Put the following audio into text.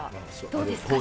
どうですか？